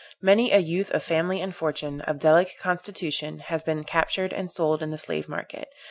Many a youth of family and fortune, of delicate constitution has been captured and sold in the slave market.